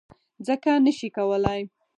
څکه نه شي کولی.